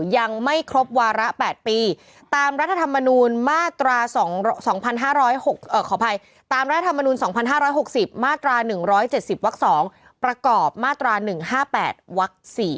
ยังไม่ครบวาระ๘ปีตามรัฐธรรมนูลมาตรา๒๕๖๐มาตรา๑๗๐วัก๒ประกอบมาตรา๑๕๘วัก๔